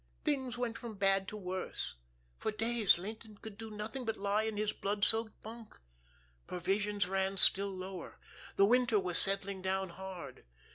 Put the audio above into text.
Things went from bad to worse. For days Laynton could do nothing but lie in his blood soaked bunk. Provisions ran still lower. The winter was settling down hard.